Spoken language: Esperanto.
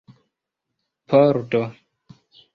pordo